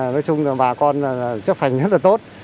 nói chung là bà con chấp hành rất là tốt